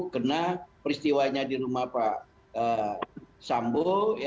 kena peristiwanya di rumah pak sambu